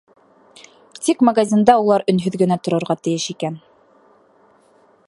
Тик магазинда улар өнһөҙ генә торорға тейеш икән.